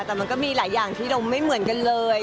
แต่มันก็มีหลายอย่างที่เราไม่เหมือนกันเลย